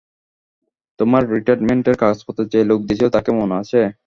তোমার রিটায়ারমেন্টের কাগজপত্র যে লোক দিয়েছিল তাকে মনে আছে?